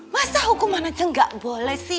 masa hukuman aja nggak boleh sih